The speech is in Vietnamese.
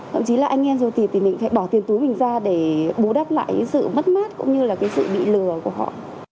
thậm chí là anh em rồi tì thì mình phải bỏ tiền túi mình ra để bù đắp lại cái sự mất mát cũng như là cái sự bị lừa của họ